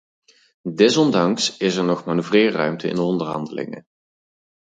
Desondanks is er nog manoeuvreerruimte in de onderhandelingen.